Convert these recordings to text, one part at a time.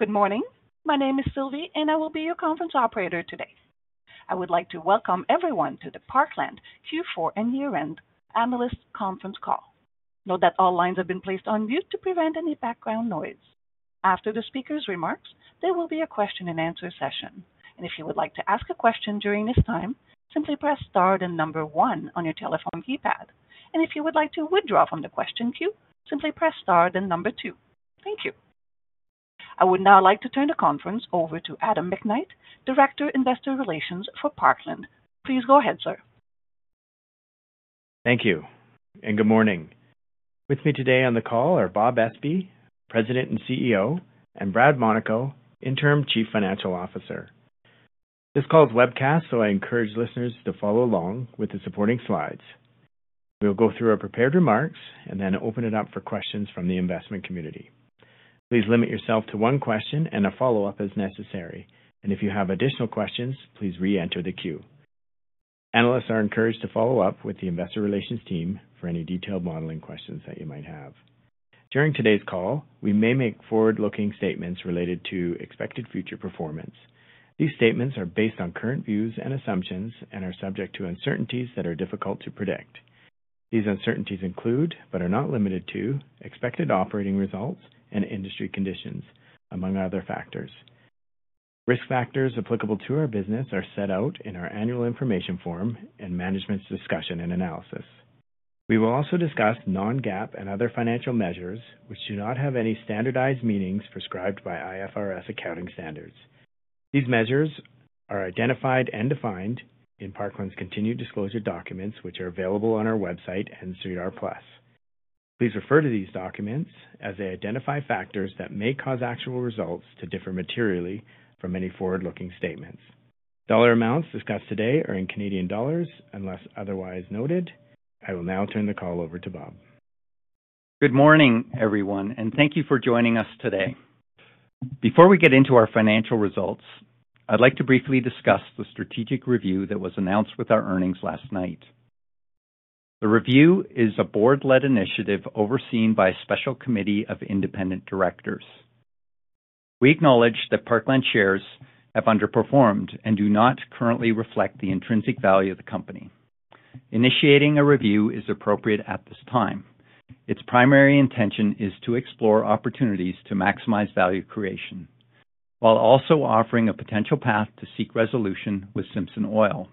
Good morning. My name is Sylvie, and I will be your conference operator today. I would like to welcome everyone to the Parkland Q4 and year-end analyst conference call. Note that all lines have been placed on mute to prevent any background noise. After the speaker's remarks, there will be a question-and-answer session, and if you would like to ask a question during this time, simply press star then number one on your telephone keypad, and if you would like to withdraw from the question queue, simply press star then number two. Thank you. I would now like to turn the conference over to Adam McKnight, Director, Investor Relations for Parkland. Please go ahead, sir. Thank you. And good morning. With me today on the call are Bob Espey, President and CEO, and Brad Monaco, Interim Chief Financial Officer. This call is webcast, so I encourage listeners to follow along with the supporting slides. We'll go through our prepared remarks and then open it up for questions from the investment community. Please limit yourself to one question and a follow-up as necessary. And if you have additional questions, please re-enter the queue. Analysts are encouraged to follow up with the investor relations team for any detailed modeling questions that you might have. During today's call, we may make forward-looking statements related to expected future performance. These statements are based on current views and assumptions and are subject to uncertainties that are difficult to predict. These uncertainties include, but are not limited to, expected operating results and industry conditions, among other factors. Risk factors applicable to our business are set out in our Annual Information Form and Management's Discussion and Analysis. We will also discuss non-GAAP and other financial measures which do not have any standardized meanings prescribed by IFRS accounting standards. These measures are identified and defined in Parkland's continuous disclosure documents, which are available on our website and through SEDAR+. Please refer to these documents as they identify factors that may cause actual results to differ materially from any forward-looking statements. Dollar amounts discussed today are in Canadian dollars unless otherwise noted. I will now turn the call over to Bob. Good morning, everyone, and thank you for joining us today. Before we get into our financial results, I'd like to briefly discuss the strategic review that was announced with our earnings last night. The review is a board-led initiative overseen by a special committee of independent directors. We acknowledge that Parkland shares have underperformed and do not currently reflect the intrinsic value of the company. Initiating a review is appropriate at this time. Its primary intention is to explore opportunities to maximize value creation, while also offering a potential path to seek resolution with Simpson Oil.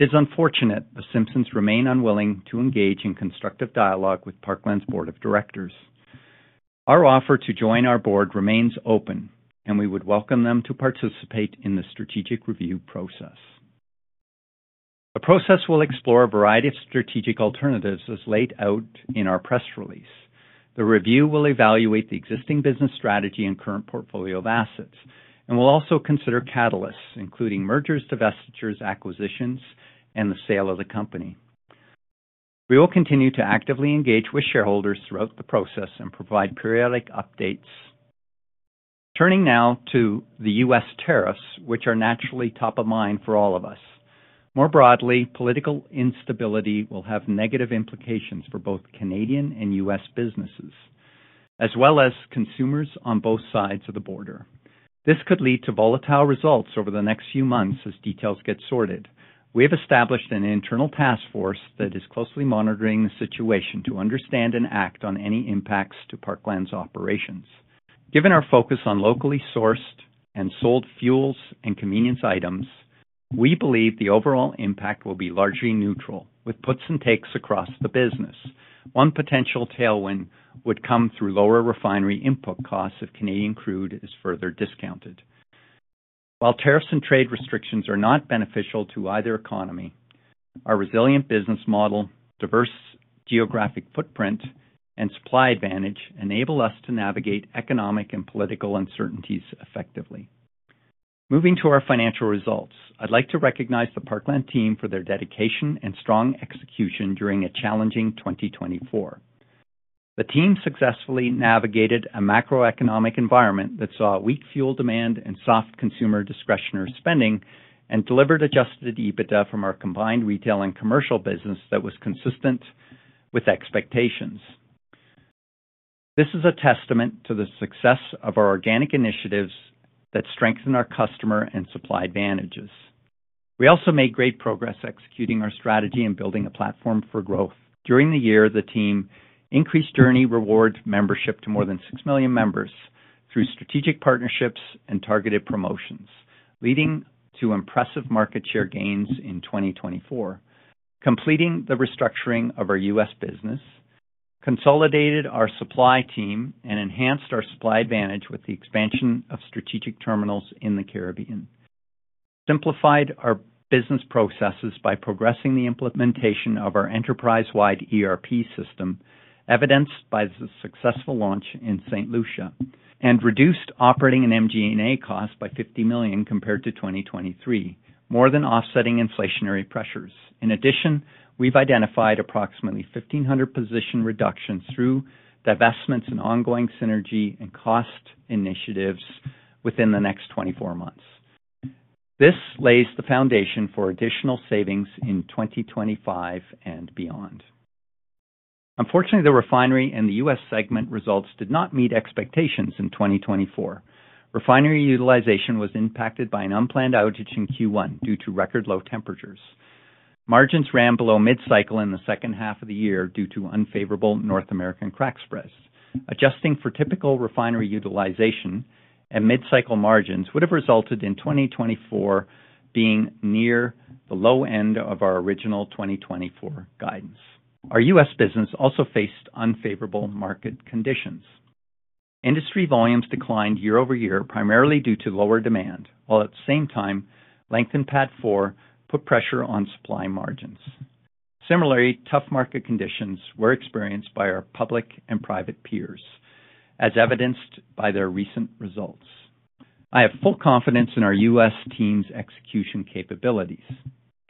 It is unfortunate that Simpson Oil remains unwilling to engage in constructive dialogue with Parkland's board of directors. Our offer to join our board remains open, and we would welcome them to participate in the strategic review process. The process will explore a variety of strategic alternatives as laid out in our press release. The review will evaluate the existing business strategy and current portfolio of assets, and will also consider catalysts, including mergers, divestitures, acquisitions, and the sale of the company. We will continue to actively engage with shareholders throughout the process and provide periodic updates. Turning now to the U.S. tariffs, which are naturally top of mind for all of us. More broadly, political instability will have negative implications for both Canadian and U.S. businesses, as well as consumers on both sides of the border. This could lead to volatile results over the next few months as details get sorted. We have established an internal task force that is closely monitoring the situation to understand and act on any impacts to Parkland's operations. Given our focus on locally sourced and sold fuels and convenience items, we believe the overall impact will be largely neutral, with puts and takes across the business. One potential tailwind would come through lower refinery input costs if Canadian crude is further discounted. While tariffs and trade restrictions are not beneficial to either economy, our resilient business model, diverse geographic footprint, and supply advantage enable us to navigate economic and political uncertainties effectively. Moving to our financial results, I'd like to recognize the Parkland team for their dedication and strong execution during a challenging 2024. The team successfully navigated a macroeconomic environment that saw weak fuel demand and soft consumer discretionary spending, and delivered Adjusted EBITDA from our combined retail and commercial business that was consistent with expectations. This is a testament to the success of our organic initiatives that strengthen our customer and supply advantages. We also made great progress executing our strategy and building a platform for growth. During the year, the team increased Journie Rewards membership to more than six million members through strategic partnerships and targeted promotions, leading to impressive market share gains in 2024, completing the restructuring of our U.S. business, consolidated our supply team, and enhanced our supply advantage with the expansion of strategic terminals in the Caribbean. We simplified our business processes by progressing the implementation of our enterprise-wide ERP system, evidenced by the successful launch in St. Lucia, and reduced operating and MG&A costs by 50 million compared to 2023, more than offsetting inflationary pressures. In addition, we've identified approximately 1,500 position reductions through divestments and ongoing synergy and cost initiatives within the next 24 months. This lays the foundation for additional savings in 2025 and beyond. Unfortunately, the refinery and the U.S. segment results did not meet expectations in 2024. Refinery utilization was impacted by an unplanned outage in Q1 due to record low temperatures. Margins ran below mid-cycle in the second half of the year due to unfavorable North American crack spreads. Adjusting for typical refinery utilization and mid-cycle margins would have resulted in 2024 being near the low end of our original 2024 guidance. Our U.S. business also faced unfavorable market conditions. Industry volumes declined year-over-year, primarily due to lower demand, while at the same time, length in PADD 4 put pressure on supply margins. Similarly, tough market conditions were experienced by our public and private peers, as evidenced by their recent results. I have full confidence in our U.S. team's execution capabilities.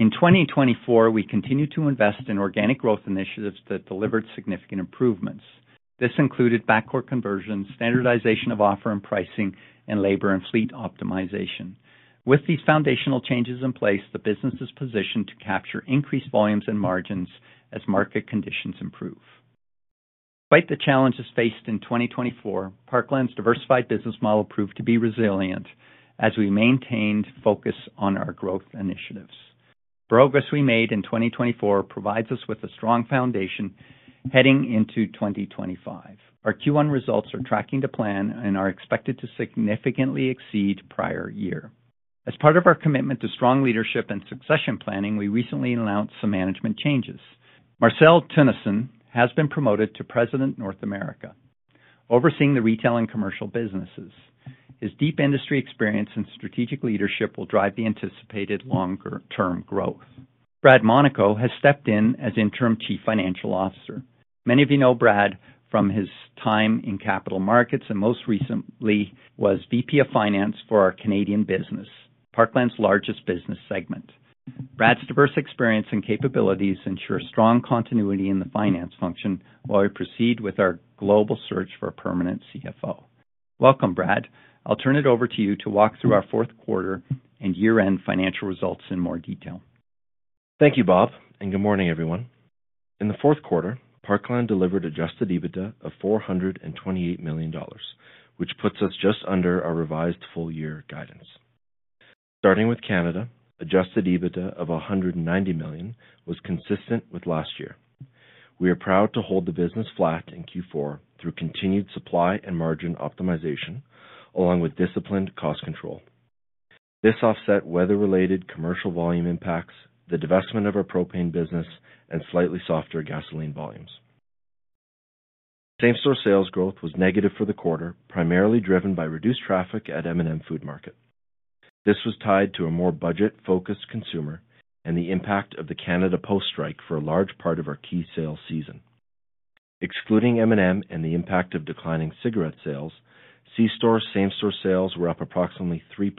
In 2024, we continued to invest in organic growth initiatives that delivered significant improvements. This included backcourt conversion, standardization of offer and pricing, and labor and fleet optimization. With these foundational changes in place, the business is positioned to capture increased volumes and margins as market conditions improve. Despite the challenges faced in 2024, Parkland's diversified business model proved to be resilient as we maintained focus on our growth initiatives. Progress we made in 2024 provides us with a strong foundation heading into 2025. Our Q1 results are tracking to plan and are expected to significantly exceed prior year. As part of our commitment to strong leadership and succession planning, we recently announced some management changes. Marcel Teunissen has been promoted to President of North America, overseeing the retail and commercial businesses. His deep industry experience and strategic leadership will drive the anticipated longer-term growth. Brad Monaco has stepped in as Interim Chief Financial Officer. Many of you know Brad from his time in capital markets, and most recently was VP of Finance for our Canadian business, Parkland's largest business segment. Brad's diverse experience and capabilities ensure strong continuity in the finance function while we proceed with our global search for a permanent CFO. Welcome, Brad. I'll turn it over to you to walk through our Q4 and year-end financial results in more detail. Thank you, Bob, and good morning, everyone. In the Q4, Parkland delivered Adjusted EBITDA of 428 million dollars, which puts us just under our revised full-year guidance. Starting with Canada, Adjusted EBITDA of 190 million was consistent with last year. We are proud to hold the business flat in Q4 through continued supply and margin optimization, along with disciplined cost control. This offset weather-related commercial volume impacts, the divestment of our propane business, and slightly softer gasoline volumes. Same-store sales growth was negative for the quarter, primarily driven by reduced traffic at M&M Food Market. This was tied to a more budget-focused consumer and the impact of the Canada Post strike for a large part of our key sales season. Excluding M&M and the impact of declining cigarette sales, C-store same-store sales were up approximately 3%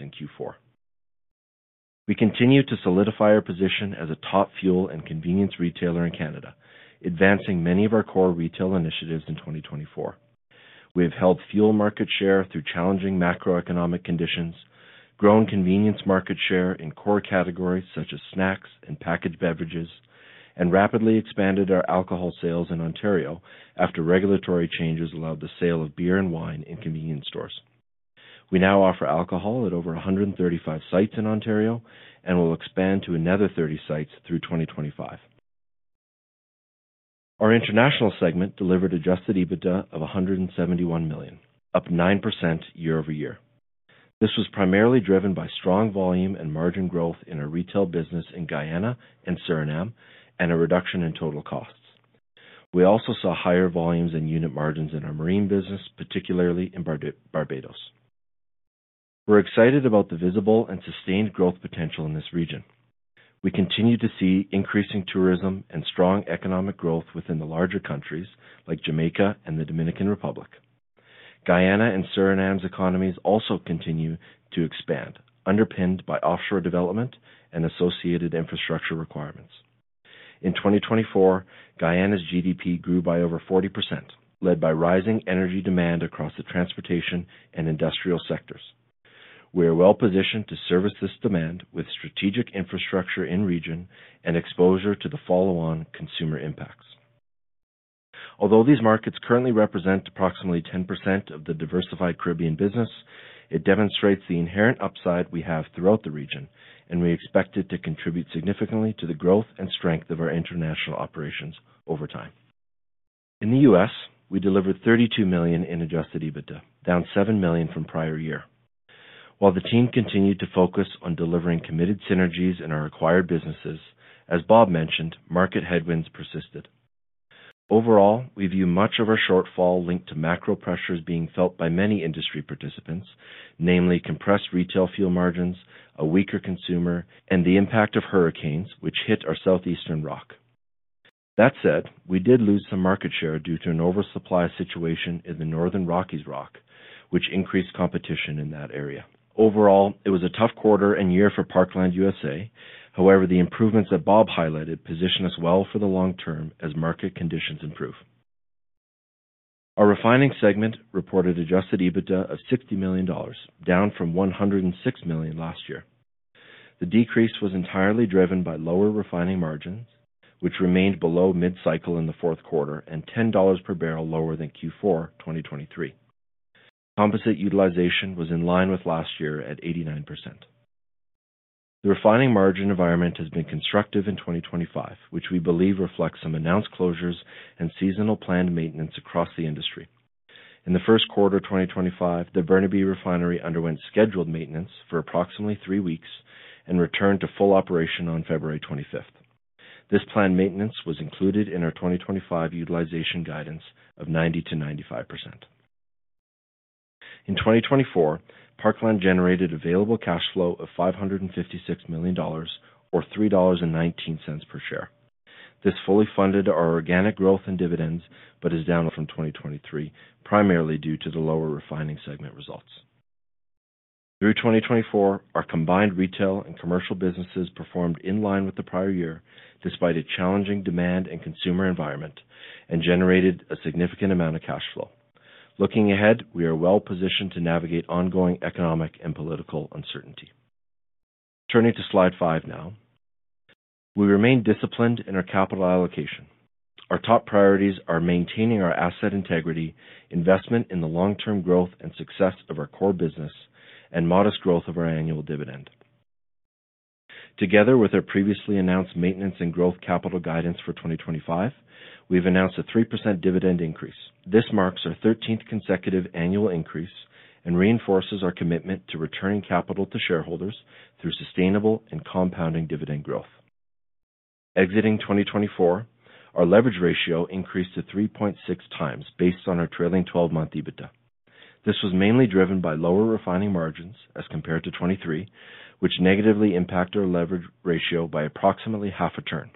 in Q4. We continue to solidify our position as a top fuel and convenience retailer in Canada, advancing many of our core retail initiatives in 2024. We have held fuel market share through challenging macroeconomic conditions, grown convenience market share in core categories such as snacks and packaged beverages, and rapidly expanded our alcohol sales in Ontario after regulatory changes allowed the sale of beer and wine in convenience stores. We now offer alcohol at over 135 sites in Ontario and will expand to another 30 sites through 2025. Our international segment delivered Adjusted EBITDA of 171 million, up 9% year-over-year. This was primarily driven by strong volume and margin growth in our retail business in Guyana and Suriname and a reduction in total costs. We also saw higher volumes and unit margins in our marine business, particularly in Barbados. We're excited about the visible and sustained growth potential in this region. We continue to see increasing tourism and strong economic growth within the larger countries like Jamaica and the Dominican Republic. Guyana and Suriname's economies also continue to expand, underpinned by offshore development and associated infrastructure requirements. In 2024, Guyana's GDP grew by over 40%, led by rising energy demand across the transportation and industrial sectors. We are well positioned to service this demand with strategic infrastructure in region and exposure to the follow-on consumer impacts. Although these markets currently represent approximately 10% of the diversified Caribbean business, it demonstrates the inherent upside we have throughout the region, and we expect it to contribute significantly to the growth and strength of our international operations over time. In the U.S., we delivered $32 million in Adjusted EBITDA, down $7 million from prior year. While the team continued to focus on delivering committed synergies in our acquired businesses, as Bob mentioned, market headwinds persisted. Overall, we view much of our shortfall linked to macro pressures being felt by many industry participants, namely compressed retail fuel margins, a weaker consumer, and the impact of hurricanes, which hit our southeastern rack. That said, we did lose some market share due to an oversupply situation in the Northern Rockies rack, which increased competition in that area. Overall, it was a tough quarter and year for Parkland USA. However, the improvements that Bob highlighted position us well for the long term as market conditions improve. Our refining segment reported Adjusted EBITDA of 60 million dollars, down from 106 million last year. The decrease was entirely driven by lower refining margins, which remained below mid-cycle in the Q4 and $10 per barrel lower than Q4 2023. Composite utilization was in line with last year at 89%. The refining margin environment has been constructive in 2025, which we believe reflects some announced closures and seasonal planned maintenance across the industry. In the Q1 of 2025, the Burnaby refinery underwent scheduled maintenance for approximately three weeks and returned to full operation on February 25th. This planned maintenance was included in our 2025 utilization guidance of 90%-95%. In 2024, Parkland generated Available Cash Flow of 556 million dollars, or 3.19 dollars per share. This fully funded our organic growth and dividends, but is down from 2023, primarily due to the lower refining segment results. Through 2024, our combined retail and commercial businesses performed in line with the prior year, despite a challenging demand and consumer environment, and generated a significant amount of cash flow. Looking ahead, we are well positioned to navigate ongoing economic and political uncertainty. Turning to slide five now, we remain disciplined in our capital allocation. Our top priorities are maintaining our asset integrity, investment in the long-term growth and success of our core business, and modest growth of our annual dividend. Together with our previously announced maintenance and growth capital guidance for 2025, we've announced a 3% dividend increase. This marks our 13th consecutive annual increase and reinforces our commitment to returning capital to shareholders through sustainable and compounding dividend growth. Exiting 2024, our leverage ratio increased to 3.6 times based on our trailing 12-month EBITDA. This was mainly driven by lower refining margins as compared to 2023, which negatively impacted our leverage ratio by approximately half a turn.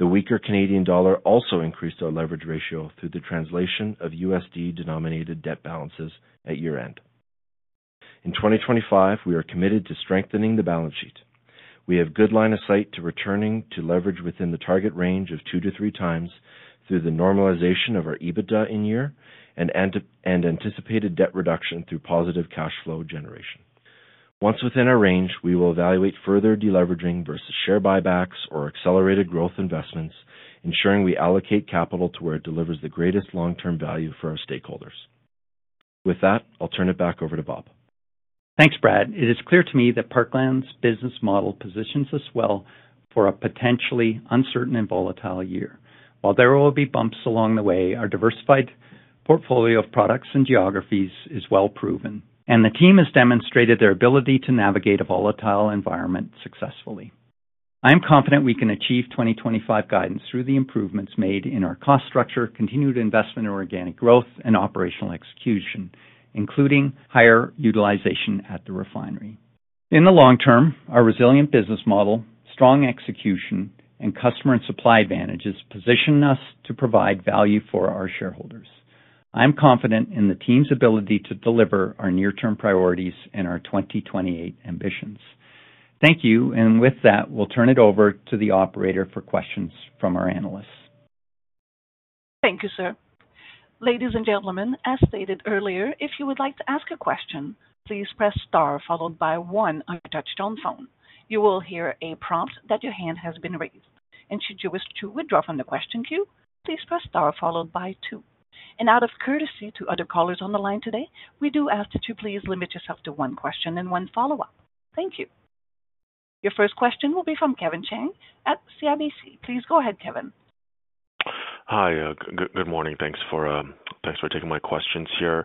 The weaker Canadian dollar also increased our leverage ratio through the translation of USD-denominated debt balances at year-end. In 2025, we are committed to strengthening the balance sheet. We have good line of sight to returning to leverage within the target range of two to three times through the normalization of our EBITDA in year and anticipated debt reduction through positive cash flow generation. Once within our range, we will evaluate further deleveraging versus share buybacks or accelerated growth investments, ensuring we allocate capital to where it delivers the greatest long-term value for our stakeholders. With that, I'll turn it back over to Bob. Thanks, Brad. It is clear to me that Parkland's business model positions us well for a potentially uncertain and volatile year. While there will be bumps along the way, our diversified portfolio of products and geographies is well proven, and the team has demonstrated their ability to navigate a volatile environment successfully. I am confident we can achieve 2025 guidance through the improvements made in our cost structure, continued investment in organic growth, and operational execution, including higher utilization at the refinery. In the long term, our resilient business model, strong execution, and customer and supply advantages position us to provide value for our shareholders. I am confident in the team's ability to deliver our near-term priorities and our 2028 ambitions. Thank you, and with that, we'll turn it over to the operator for questions from our analysts. Thank you, sir. Ladies and gentlemen, as stated earlier, if you would like to ask a question, please press star followed by one on your touchstone phone. You will hear a prompt that your hand has been raised. And should you wish to withdraw from the question queue, please press star followed by two. And out of courtesy to other callers on the line today, we do ask that you please limit yourself to one question and one follow-up. Thank you. Your first question will be from Kevin Chiang at CIBC. Please go ahead, Kevin. Hi, good morning. Thanks for taking my questions here.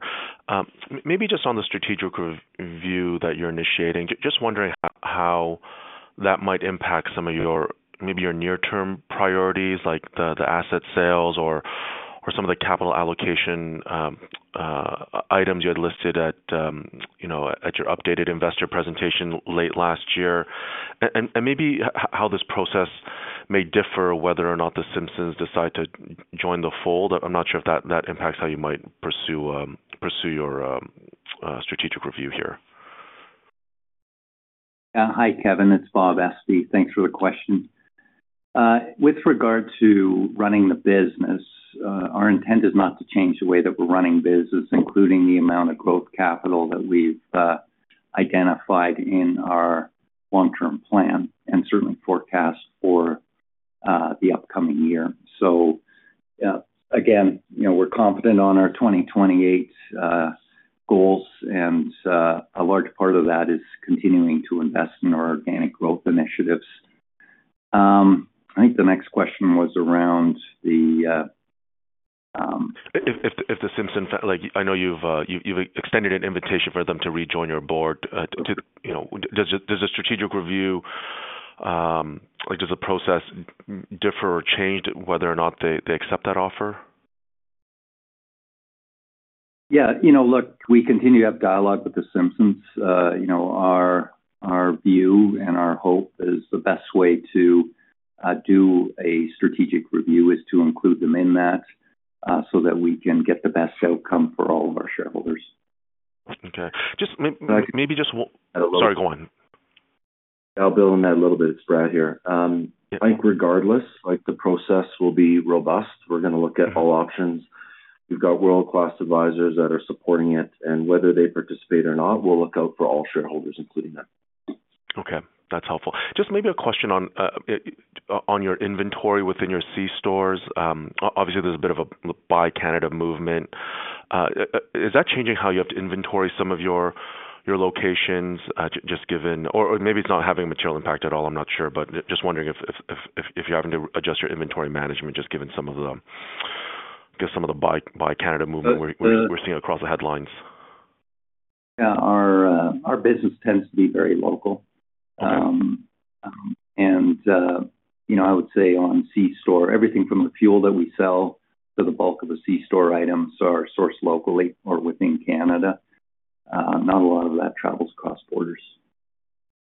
Maybe just on the strategic review that you're initiating, just wondering how that might impact some of your, maybe your near-term priorities, like the asset sales or some of the capital allocation items you had listed at your updated investor presentation late last year. And maybe how this process may differ whether or not the Simpsons decide to join the fold. I'm not sure if that impacts how you might pursue your strategic review here. Hi, Kevin. It's Bob Espey. Thanks for the question. With regard to running the business, our intent is not to change the way that we're running business, including the amount of growth capital that we've identified in our long-term plan and certainly forecast for the upcoming year. So again, we're confident on our 2028 goals, and a large part of that is continuing to invest in our organic growth initiatives. I think the next question was around the. If the Simpsons, I know you've extended an invitation for them to rejoin your board. Does the strategic review, does the process differ or change whether or not they accept that offer? Yeah. Look, we continue to have dialogue with the Simpsons. Our view and our hope is the best way to do a strategic review is to include them in that so that we can get the best outcome for all of our shareholders. Okay. Maybe just. At a little bit. Sorry, go on. I'll build on that a little bit, Brad, here. I think regardless, the process will be robust. We're going to look at all options. We've got world-class advisors that are supporting it. And whether they participate or not, we'll look out for all shareholders, including them. Okay. That's helpful. Just maybe a question on your inventory within your C-stores. Obviously, there's a bit of a Buy Canada movement. Is that changing how you have to inventory some of your locations just given or maybe it's not having a material impact at all? I'm not sure, but just wondering if you're having to adjust your inventory management just given some of the Buy Canadian movement we're seeing across the headlines. Yeah. Our business tends to be very local, and I would say on C-store, everything from the fuel that we sell to the bulk of the C-store items are sourced locally or within Canada. Not a lot of that travels across borders.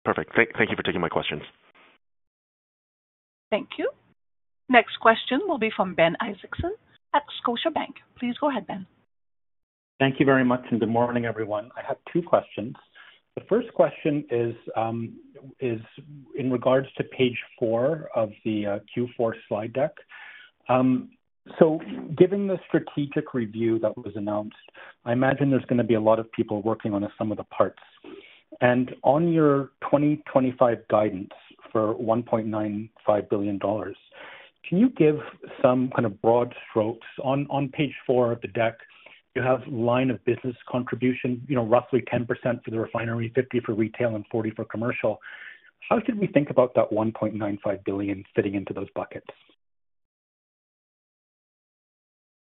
Perfect. Thank you for taking my questions. Thank you. Next question will be from Ben Isaacson at Scotiabank. Please go ahead, Ben. Thank you very much. Good morning, everyone. I have two questions. The first question is in regards to page four of the Q4 slide deck, so given the strategic review that was announced, I imagine there's going to be a lot of people working on sum of the parts, and on your 2025 guidance for 1.95 billion dollars, can you give some kind of broad strokes on page four of the deck? You have line of business contribution, roughly 10% for the refinery, 50% for retail, and 40% for commercial. How should we think about that 1.95 billion fitting into those buckets?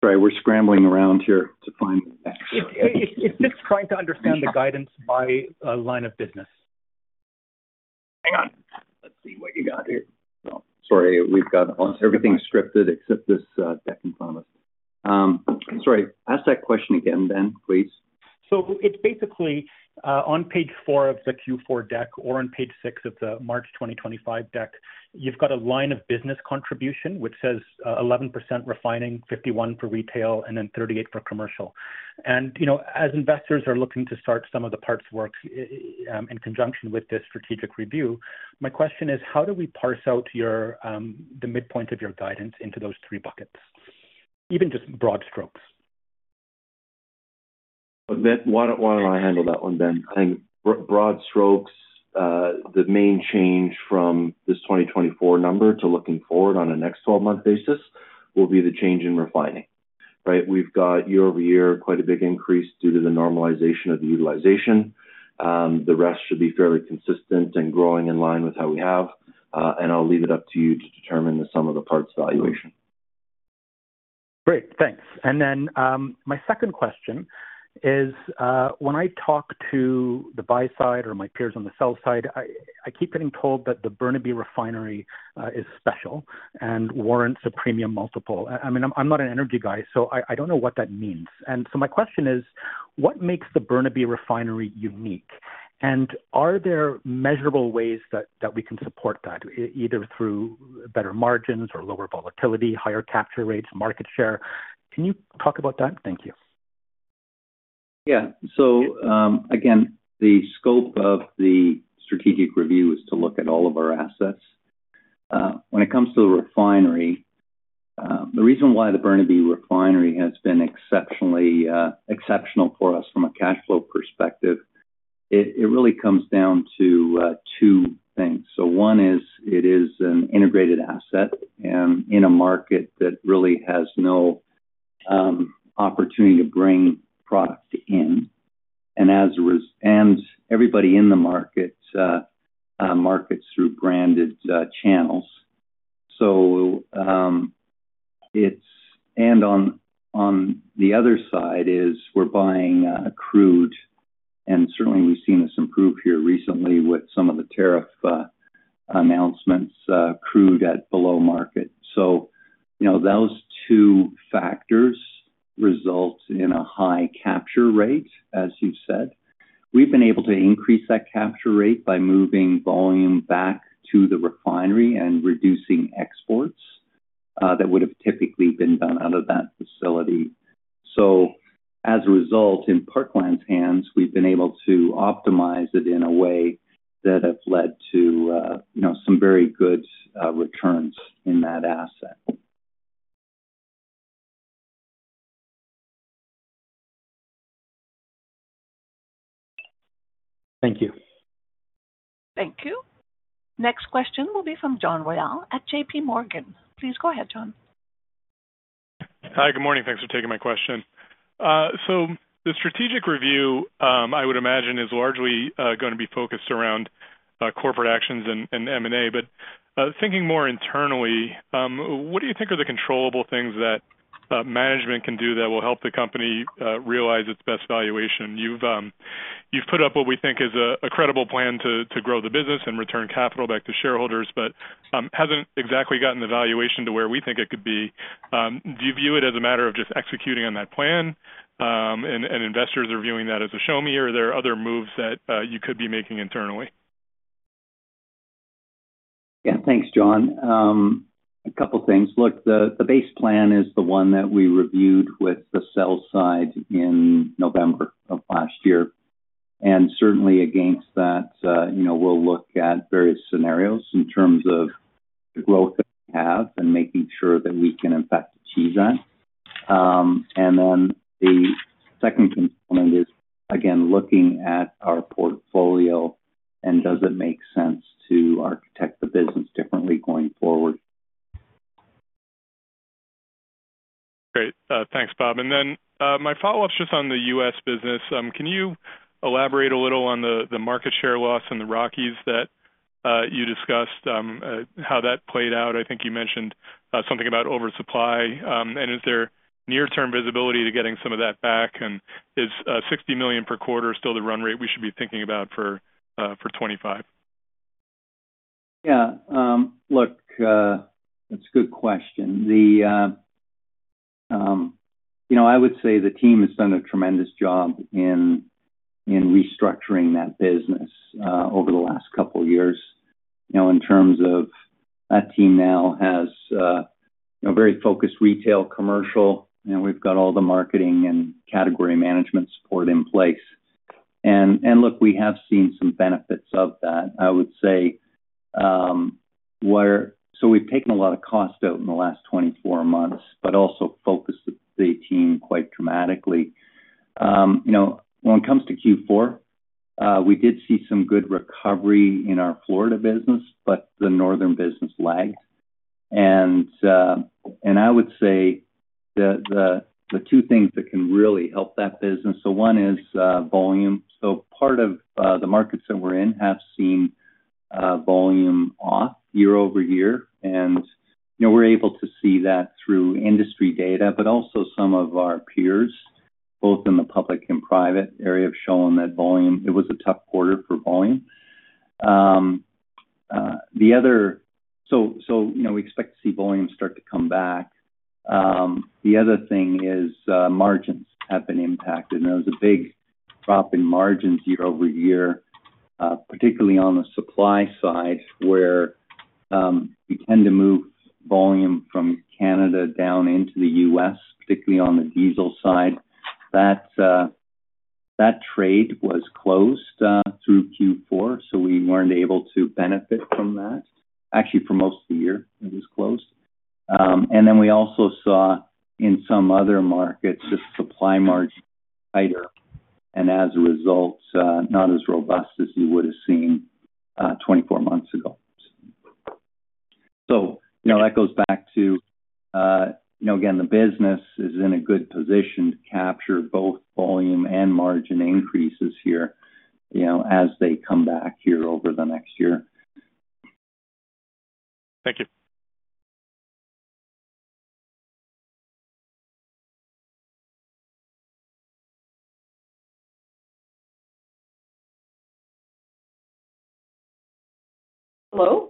Sorry, we're scrambling around here to find the next one. If it's trying to understand the guidance by line of business. Hang on. Let's see what you got here. Sorry, we've got everything scripted except this deck in front of us. Sorry, ask that question again, Ben, please. So it's basically on page four of the Q4 deck or on page six of the March 2025 deck. You've got a line of business contribution, which says 11% refining, 51% for retail, and then 38% for commercial. And as investors are looking to start some of the parts work in conjunction with this strategic review, my question is, how do we parse out the midpoint of your guidance into those three buckets, even just broad strokes? Why don't I handle that one, Ben? I think broad strokes, the main change from this 2024 number to looking forward on a next 12-month basis will be the change in refining, right? We've got year-over-year quite a big increase due to the normalization of utilization. The rest should be fairly consistent and growing in line with how we have. And I'll leave it up to you to determine the sum of the parts valuation. Great. Thanks. And then my second question is, when I talk to the buy side or my peers on the sell side, I keep getting told that the Burnaby refinery is special and warrants a premium multiple. I mean, I'm not an energy guy, so I don't know what that means. And so my question is, what makes the Burnaby refinery unique? And are there measurable ways that we can support that, either through better margins or lower volatility, higher capture rates, market share? Can you talk about that? Thank you. Yeah. So, again, the scope of the strategic review is to look at all of our assets. When it comes to the refinery, the reason why the Burnaby refinery has been exceptional for us from a cash flow perspective, it really comes down to two things. One is it is an integrated asset in a market that really has no opportunity to bring product in. And everybody in the market markets through branded channels. And on the other side is we're buying crude, and certainly we've seen this improve here recently with some of the tariff announcements, crude at below market. So those two factors result in a high capture rate, as you've said. We've been able to increase that capture rate by moving volume back to the refinery and reducing exports that would have typically been done out of that facility. So as a result, in Parkland's hands, we've been able to optimize it in a way that has led to some very good returns in that asset. Thank you. Thank you. Next question will be from John Royal at JPMorgan. Please go ahead, John. Hi, good morning. Thanks for taking my question. So the strategic review, I would imagine, is largely going to be focused around corporate actions and M&A. But thinking more internally, what do you think are the controllable things that management can do that will help the company realize its best valuation? You've put up what we think is a credible plan to grow the business and return capital back to shareholders, but hasn't exactly gotten the valuation to where we think it could be. Do you view it as a matter of just executing on that plan, and investors are viewing that as a show me? Or are there other moves that you could be making internally? Yeah. Thanks, John. A couple of things. Look, the base plan is the one that we reviewed with the sell side in November of last year. And certainly against that, we'll look at various scenarios in terms of the growth that we have and making sure that we can, in fact, achieve that. And then the second component is, again, looking at our portfolio and does it make sense to architect the business differently going forward. Great. Thanks, Bob. And then my follow-up's just on the U.S. business. Can you elaborate a little on the market share loss and the Rockies that you discussed, how that played out? I think you mentioned something about oversupply. And is there near-term visibility to getting some of that back? And is 60 million per quarter still the run rate we should be thinking about for 2025? Yeah. Look, that's a good question. I would say the team has done a tremendous job in restructuring that business over the last couple of years in terms of that team now has very focused retail, commercial, and we've got all the marketing and category management support in place, and look, we have seen some benefits of that. I would say so we've taken a lot of cost out in the last 24 months, but also focused the team quite dramatically. When it comes to Q4, we did see some good recovery in our Florida business, but the northern business lagged, and I would say the two things that can really help that business, so one is volume, so part of the markets that we're in have seen volume off year-over-year. We're able to see that through industry data, but also some of our peers, both in the public and private area, have shown that volume. It was a tough quarter for volume. We expect to see volume start to come back. The other thing is margins have been impacted. There was a big drop in margins year-over-year, particularly on the supply side, where we tend to move volume from Canada down into the U.S., particularly on the diesel side. That trade was closed through Q4, so we weren't able to benefit from that. Actually, for most of the year, it was closed. We also saw in some other markets the supply margin tighter, and as a result, not as robust as you would have seen 24 months ago. That goes back to, again, the business is in a good position to capture both volume and margin increases here as they come back here over the next year. Thank you.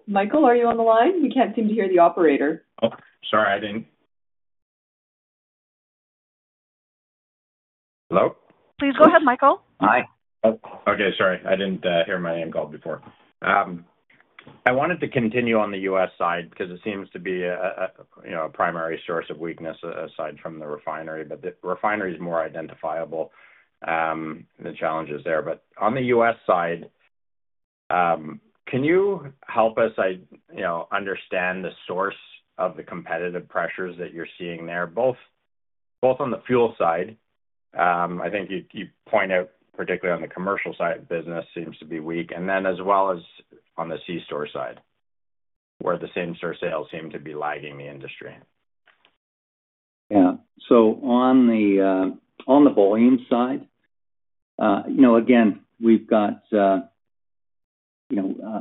Hello. Michael, are you on the line? We can't seem to hear the operator. Oh, sorry. I didn't. Hello? Please go ahead, Michael. Hi. Okay. Sorry. I didn't hear my name called before. I wanted to continue on the U.S. side because it seems to be a primary source of weakness aside from the refinery. But the refinery is more identifiable, the challenges there. But on the U.S. side, can you help us understand the source of the competitive pressures that you're seeing there, both on the fuel side? I think you point out, particularly on the commercial side of the business, seems to be weak. And then as well as on the c-store side, where the same-store sales seem to be lagging the industry. Yeah. So on the volume side, again, we've got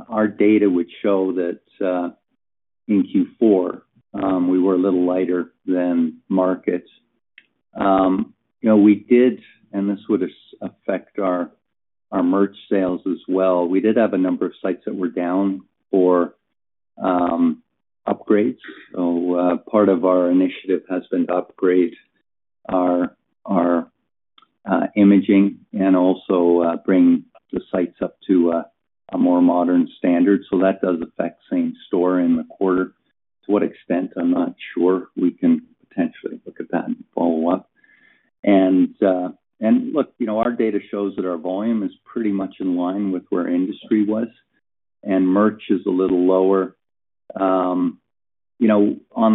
our data would show that in Q4, we were a little lighter than markets. We did, and this would affect our merch sales as well. We did have a number of sites that were down for upgrades. So part of our initiative has been to upgrade our imaging and also bring the sites up to a more modern standard. So that does affect same store in the quarter. To what extent, I'm not sure. We can potentially look at that and follow up. And look, our data shows that our volume is pretty much in line with where industry was, and merch is a little lower. On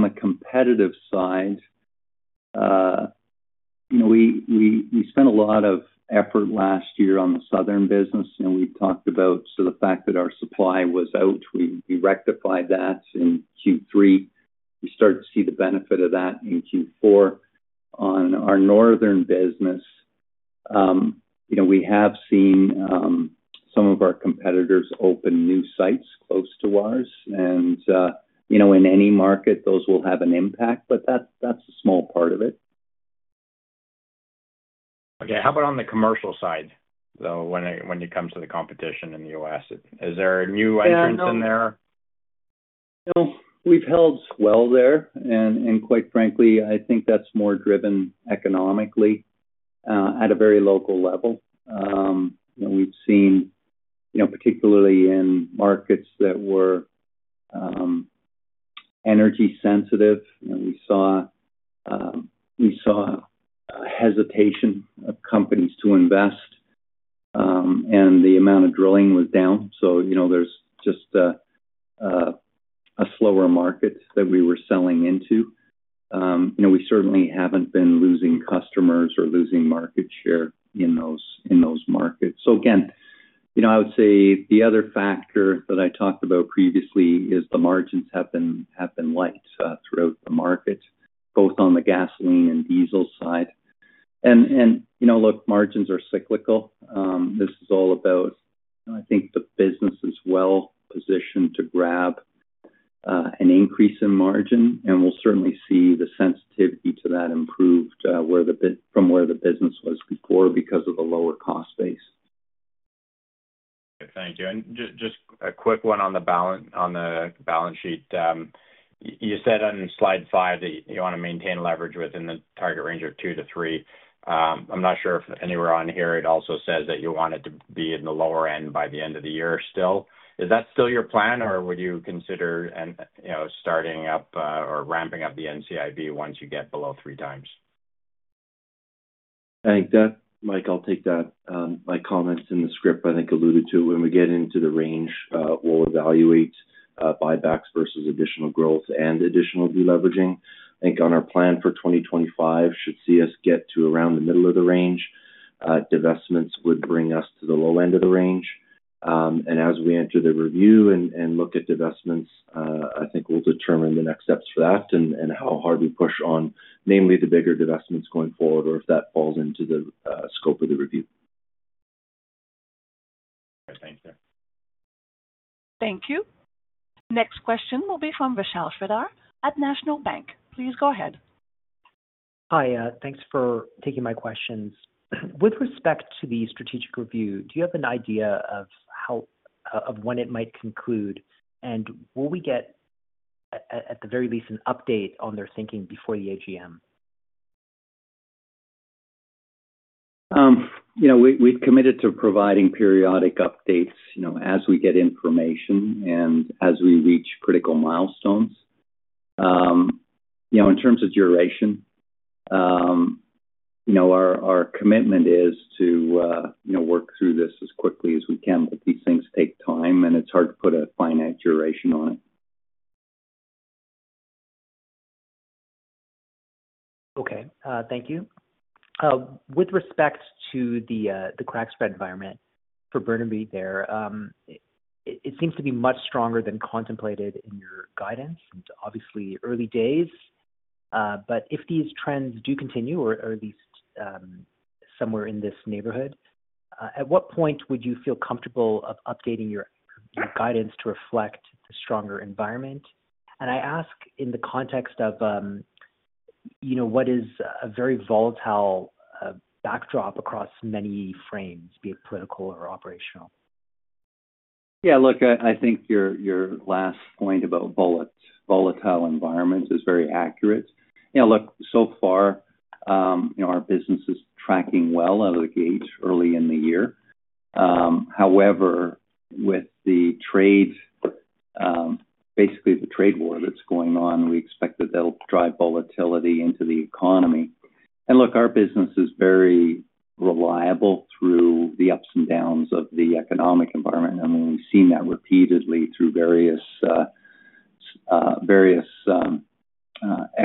the competitive side, we spent a lot of effort last year on the southern business, and we talked about the fact that our supply was out. We rectified that in Q3. We started to see the benefit of that in Q4. On our northern business, we have seen some of our competitors open new sites close to ours. And in any market, those will have an impact, but that's a small part of it. Okay. How about on the commercial side, though, when it comes to the competition in the U.S.? Is there a new entrant in there? No. We've held well there. And quite frankly, I think that's more driven economically at a very local level. We've seen, particularly in markets that were energy sensitive, we saw hesitation of companies to invest, and the amount of drilling was down. So there's just a slower market that we were selling into. We certainly haven't been losing customers or losing market share in those markets. So again, I would say the other factor that I talked about previously is the margins have been light throughout the market, both on the gasoline and diesel side. And look, margins are cyclical. This is all about, I think, the business is well positioned to grab an increase in margin, and we'll certainly see the sensitivity to that improved from where the business was before because of the lower cost base. Thank you, and just a quick one on the balance sheet. You said on slide five that you want to maintain leverage within the target range of two to three. I'm not sure if anywhere on here it also says that you want it to be in the lower end by the end of the year still. Is that still your plan, or would you consider starting up or ramping up the NCIB once you get below three times? Thank you. Mike, I'll take that. My comments in the script, I think, alluded to when we get into the range, we'll evaluate buybacks versus additional growth and additional deleveraging. I think on our plan for 2025, should see us get to around the middle of the range, divestments would bring us to the low end of the range. And as we enter the review and look at divestments, I think we'll determine the next steps for that and how hard we push on, namely the bigger divestments going forward or if that falls into the scope of the review. Okay. Thank you. Thank you. Next question will be from Vishal Shreedhar at National Bank. Please go ahead. Hi. Thanks for taking my questions. With respect to the strategic review, do you have an idea of when it might conclude, and will we get, at the very least, an update on their thinking before the AGM? We've committed to providing periodic updates as we get information and as we reach critical milestones. In terms of duration, our commitment is to work through this as quickly as we can, but these things take time, and it's hard to put a finite duration on it. Okay. Thank you. With respect to the crack spread environment for Burnaby and Mainland or mainly there, it seems to be much stronger than contemplated in your guidance. It's obviously early days, but if these trends do continue, or at least somewhere in this neighborhood, at what point would you feel comfortable updating your guidance to reflect the stronger environment?, and I ask in the context of what is a very volatile backdrop across many fronts, be it political or operational. Yeah. Look, I think your last point about volatile environments is very accurate. Yeah. Look, so far, our business is tracking well out of the gate early in the year. However, with basically the trade war that's going on, we expect that that'll drive volatility into the economy, and look, our business is very reliable through the ups and downs of the economic environment. I mean, we've seen that repeatedly through various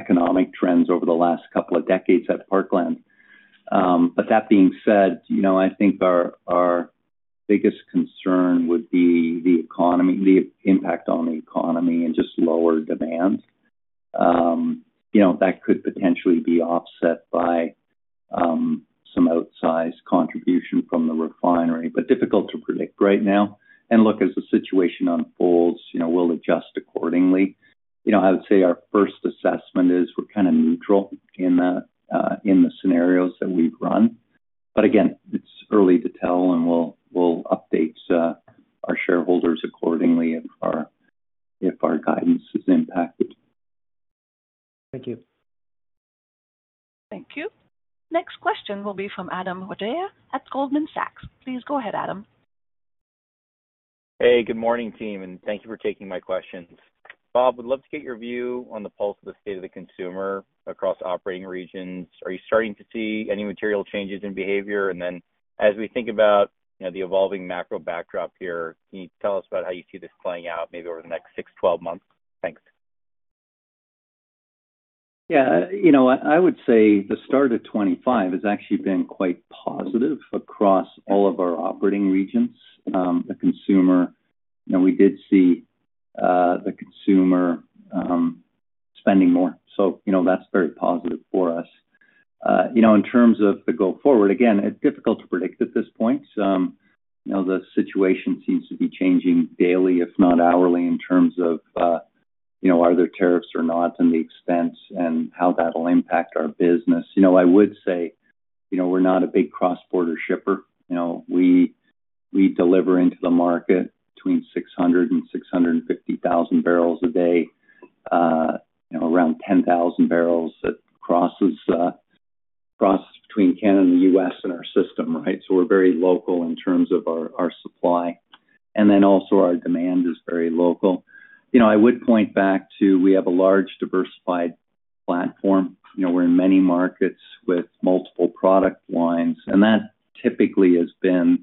economic trends over the last couple of decades at Parkland. But that being said, I think our biggest concern would be the impact on the economy and just lower demand. That could potentially be offset by some outsized contribution from the refinery, but difficult to predict right now, and look, as the situation unfolds, we'll adjust accordingly. I would say our first assessment is we're kind of neutral in the scenarios that we've run. But again, it's early to tell, and we'll update our shareholders accordingly if our guidance is impacted. Thank you. Thank you. Next question will be from Adam Wijaya at Goldman Sachs. Please go ahead, Adam. Hey. Good morning, team, and thank you for taking my questions. Bob, we'd love to get your view on the pulse of the state of the consumer across operating regions. Are you starting to see any material changes in behavior? And then as we think about the evolving macro backdrop here, can you tell us about how you see this playing out maybe over the next 6-12 months? Thanks. Yeah. I would say the start of 2025 has actually been quite positive across all of our operating regions. The consumer, we did see the consumer spending more. So that's very positive for us. In terms of the go-forward, again, it's difficult to predict at this point. The situation seems to be changing daily, if not hourly, in terms of are there tariffs or not and the expense and how that will impact our business. I would say we're not a big cross-border shipper. We deliver into the market between 600 and 650 thousand barrels a day, around 10,000 barrels that cross between Canada and the U.S. in our system, right? So we're very local in terms of our supply. And then also our demand is very local. I would point back to we have a large diversified platform. We're in many markets with multiple product lines. And that typically has been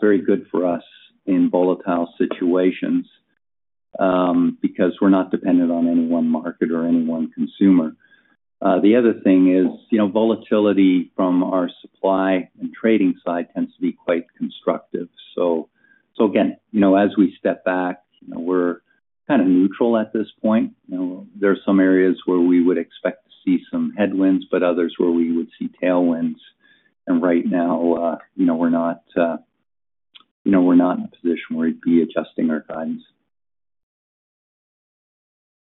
very good for us in volatile situations because we're not dependent on any one market or any one consumer. The other thing is volatility from our supply and trading side tends to be quite constructive. So again, as we step back, we're kind of neutral at this point. There are some areas where we would expect to see some headwinds, but others where we would see tailwinds. And right now, we're not in a position where we'd be adjusting our guidance.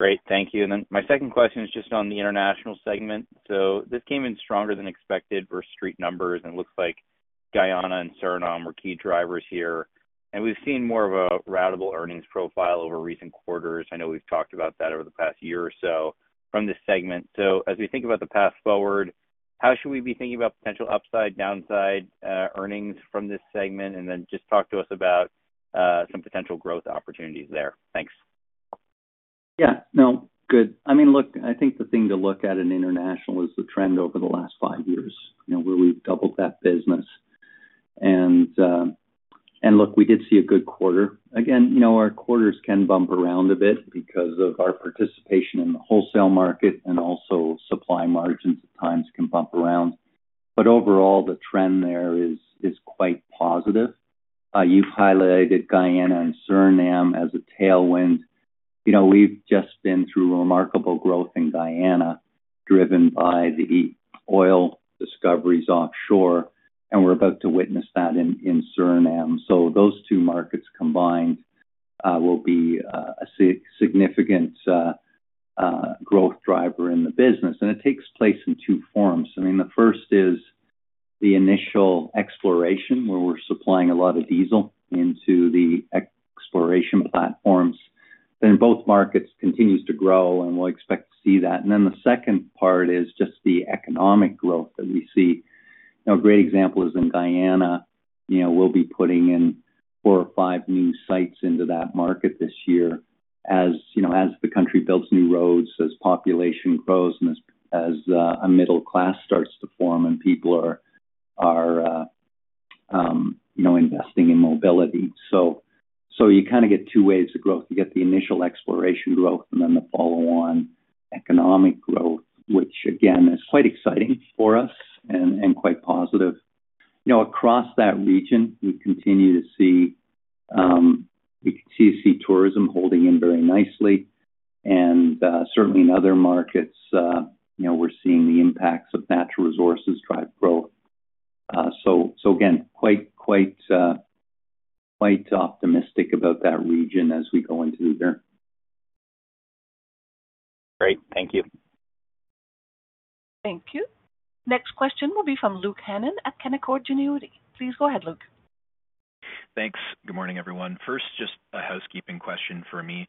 Great. Thank you. And then my second question is just on the international segment. So this came in stronger than expected for street numbers. And it looks like Guyana and Suriname were key drivers here. And we've seen more of a recurring earnings profile over recent quarters. I know we've talked about that over the past year or so from this segment. So as we think about the path forward, how should we be thinking about potential upside, downside earnings from this segment? And then just talk to us about some potential growth opportunities there. Thanks. Yeah. No. Good. I mean, look, I think the thing to look at in international is the trend over the last five years where we've doubled that business. And look, we did see a good quarter. Again, our quarters can bump around a bit because of our participation in the wholesale market, and also supply margins at times can bump around. But overall, the trend there is quite positive. You've highlighted Guyana and Suriname as a tailwind. We've just been through remarkable growth in Guyana driven by the oil discoveries offshore, and we're about to witness that in Suriname. So those two markets combined will be a significant growth driver in the business. And it takes place in two forms. I mean, the first is the initial exploration where we're supplying a lot of diesel into the exploration platforms. Both markets continue to grow, and we'll expect to see that. The second part is just the economic growth that we see. A great example is in Guyana. We'll be putting in four or five new sites into that market this year as the country builds new roads, as population grows, and as a middle class starts to form, and people are investing in mobility. You kind of get two waves of growth. You get the initial exploration growth and then the follow-on economic growth, which again is quite exciting for us and quite positive. Across that region, we continue to see sea tourism holding up very nicely. Certainly in other markets, we're seeing the impacts of natural resources driving growth. Again, quite optimistic about that region as we go into the year. Great. Thank you. Thank you. Next question will be from Luke Hannan at Canaccord Genuity. Please go ahead, Luke. Thanks. Good morning, everyone. First, just a housekeeping question for me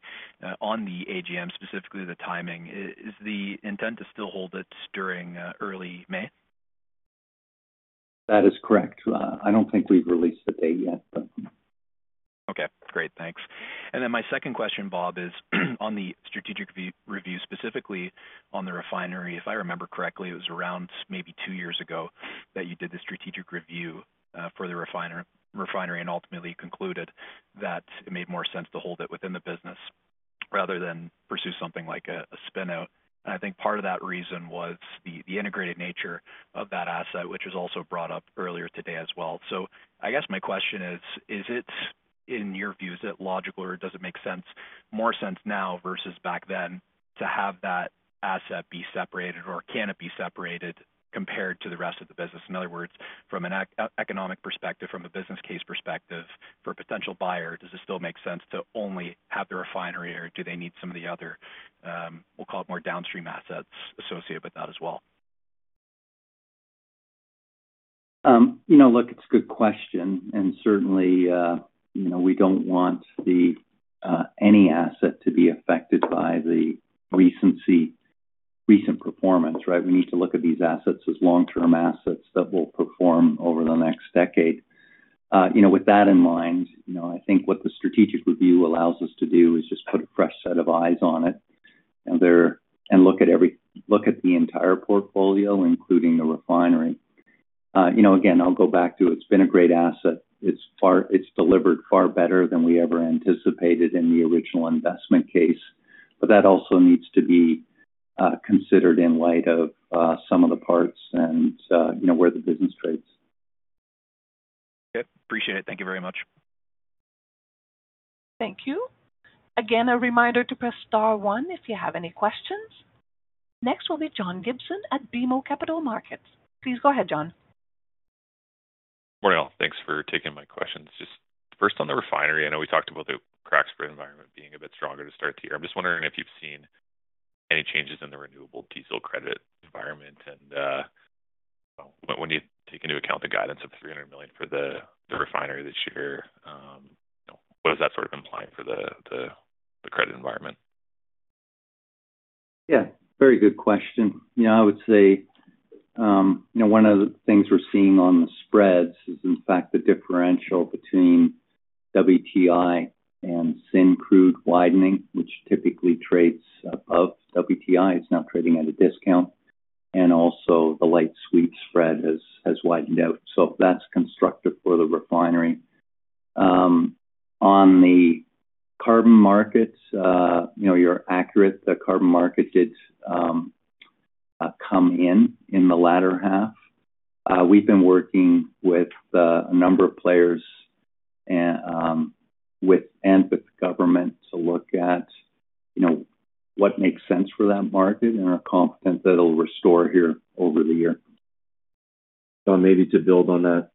on the AGM, specifically the timing. Is the intent to still hold it during early May? That is correct. I don't think we've released the date yet, but. Okay. Great. Thanks. And then my second question, Bob, is on the strategic review, specifically on the refinery. If I remember correctly, it was around maybe two years ago that you did the strategic review for the refinery and ultimately concluded that it made more sense to hold it within the business rather than pursue something like a spinout. And I think part of that reason was the integrated nature of that asset, which was also brought up earlier today as well. So I guess my question is, in your view, is it logical or does it make more sense now versus back then to have that asset be separated, or can it be separated compared to the rest of the business? In other words, from an economic perspective, from a business case perspective for a potential buyer, does it still make sense to only have the refinery, or do they need some of the other, we'll call it more downstream assets associated with that as well? Look, it's a good question. And certainly, we don't want any asset to be affected by the recent performance, right? We need to look at these assets as long-term assets that will perform over the next decade. With that in mind, I think what the strategic review allows us to do is just put a fresh set of eyes on it and look at the entire portfolio, including the refinery. Again, I'll go back to it's been a great asset. It's delivered far better than we ever anticipated in the original investment case. But that also needs to be considered in light of sum of the parts and where the business trades. Okay. Appreciate it. Thank you very much. Thank you. Again, a reminder to press star one if you have any questions. Next will be John Gibson at BMO Capital Markets. Please go ahead, John. Morning all, thanks for taking my questions. Just first on the refinery, I know we talked about the crack spread environment being a bit stronger to start the year. I'm just wondering if you've seen any changes in the renewable diesel credit environment. And when you take into account the guidance of 300 million for the refinery this year, what does that sort of imply for the credit environment? Yeah. Very good question. I would say one of the things we're seeing on the spreads is, in fact, the differential between WTI and Syncrude widening, which typically trades above WTI, is now trading at a discount. And also the light sweet spread has widened out. So that's constructive for the refinery. On the carbon markets, you're accurate. The carbon market did come in in the latter half. We've been working with a number of players and with the government to look at what makes sense for that market and are confident that it'll restore here over the year. Maybe to build on that,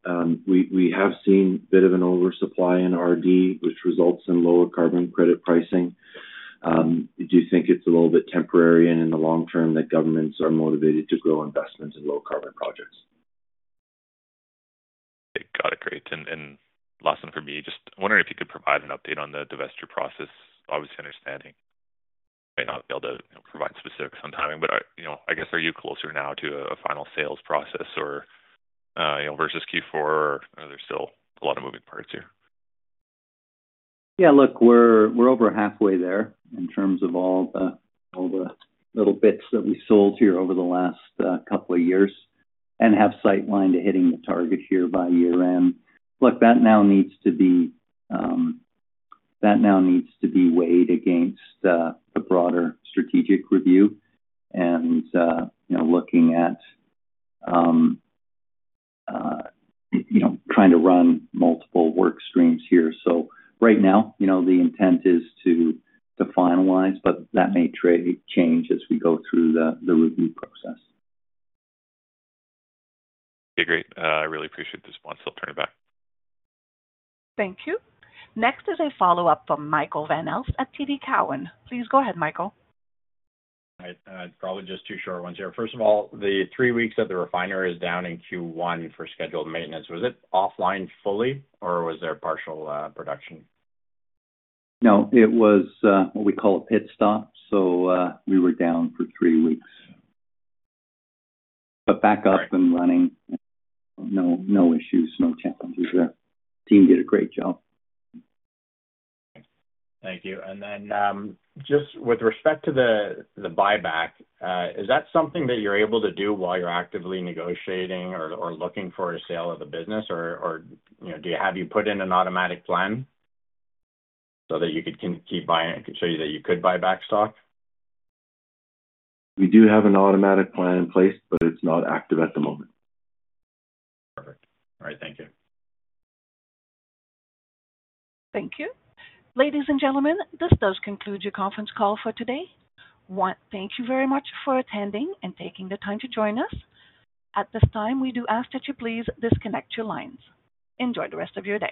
we have seen a bit of an oversupply in RD, which results in lower carbon credit pricing. I do think it's a little bit temporary, and in the long term, that governments are motivated to grow investment in low carbon projects. Okay. Got it. Great. And last one for me, just wondering if you could provide an update on the divestiture process. Obviously, understanding you may not be able to provide specifics on timing, but I guess are you closer now to a final sales process or versus Q4? There's still a lot of moving parts here. Yeah. Look, we're over halfway there in terms of all the little bits that we sold here over the last couple of years and have sightlined to hitting the target here by year-end. Look, that now needs to be weighed against the broader strategic review and looking at trying to run multiple work streams here. So right now, the intent is to finalize, but that may change as we go through the review process. Okay. Great. I really appreciate this one. So I'll turn it back. Thank you. Next is a follow-up from Michael Van Aelst at TD Cowen. Please go ahead, Michael. All right. Probably just two short ones here. First of all, the three weeks that the refinery is down in Q1 for scheduled maintenance, was it offline fully, or was there partial production? No. It was what we call a pit stop. So we were down for three weeks, but back up and running. No issues, no challenges there. Team did a great job. Thank you. And then just with respect to the buyback, is that something that you're able to do while you're actively negotiating or looking for a sale of the business, or do you have to put in an automatic plan so that you could keep buying so that you could buy back stock? We do have an automatic plan in place, but it's not active at the moment. Perfect. All right. Thank you. Thank you. Ladies and gentlemen, this does conclude your conference call for today. We want to thank you very much for attending and taking the time to join us. At this time, we do ask that you please disconnect your lines. Enjoy the rest of your day.